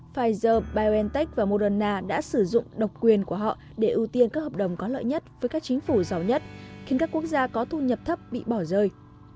pfizer biontech và moderna đã sử dụng độc quyền của họ để ưu tiên các hợp đồng có lợi nhất với các chính phủ giàu nhất khiến các quốc gia có thu nhập thấp bị bỏ rơi